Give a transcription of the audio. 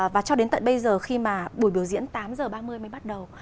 và cho đến tận bây giờ khi mà buổi biểu diễn tám h ba mươi mới bắt đầu